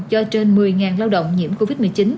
cho trên một mươi lao động nhiễm covid một mươi chín